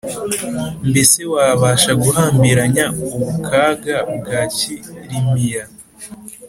mbese wabasha guhambiranya ubukaga bwa kilimiya,